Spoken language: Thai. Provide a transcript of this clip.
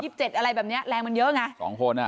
อะไรแบบเนี้ยแรงมันเยอะไงสองคนอ่ะ